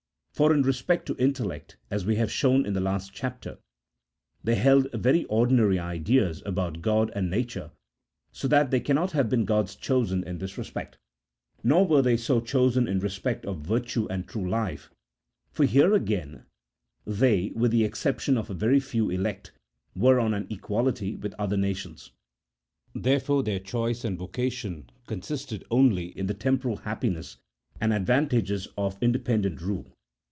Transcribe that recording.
For in respect to intellect (as we have shown in the last chapter) they held very ordinary ideas about God and CHAP. III.] OP THE VOCATION OP THE HEBREWS. 47 nature, so that they cannot have "been God's chosen in this respect ; nor were they so chosen in respect of virtue and the true life, for here again they, with the exception of a very few elect, were on an equality with other nations : therefore their choice and vocation consisted only in the temporal happiness and advantages of independent rule.